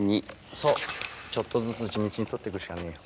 そうちょっとずつ地道に取ってくしかねえ。